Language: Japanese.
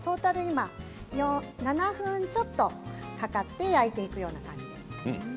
今７分ちょっとかかって焼いていくような感じです。